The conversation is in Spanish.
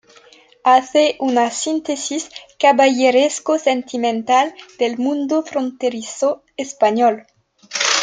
Hace una síntesis caballeresco-sentimental del mundo fronterizo español.